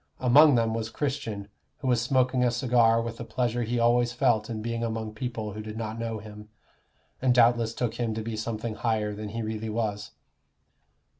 Among them was Christian, who was smoking a cigar with a pleasure he always felt in being among people who did not know him, and doubtless took him to be something higher than he really was.